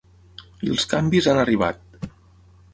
I els canvis han arribat.